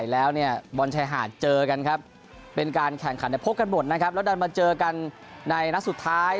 แล้วเนี่ยบอลชายหาดเจอกันครับเป็นการแข่งขันแต่พบกันหมดนะครับแล้วดันมาเจอกันในนัดสุดท้าย